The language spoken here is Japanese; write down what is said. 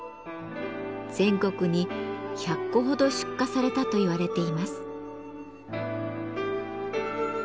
全国に１００個ほど出荷されたと言われています。